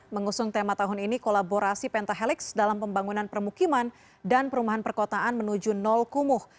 mengusung tema tahun ini kolaborasi pentahelix dalam pembangunan permukiman dan perumahan perkotaan menuju nol kumuh